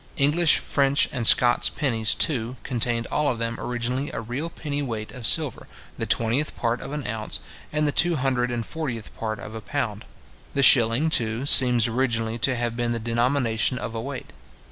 English, French, and Scots pennies, too, contained all of them originally a real penny weight of silver, the twentieth part of an ounce, and the two hundred and fortieth part of a pound. The shilling, too, seems originally to have been the denomination of a weight.